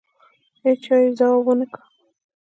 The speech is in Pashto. هېچا یې ځواب ونه کړ.